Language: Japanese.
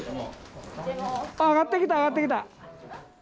ああ上がってきた上がってきた。